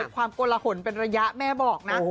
ความกลหนเป็นระยะแม่บอกนะ